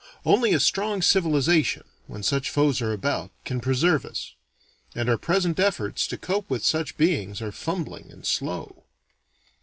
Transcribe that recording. Only a strong civilization, when such foes are about, can preserve us. And our present efforts to cope with such beings are fumbling and slow.